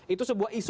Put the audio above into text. itu sebuah isu